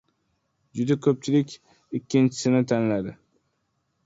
Juda koʻpchilik ikkinchisini tanladi.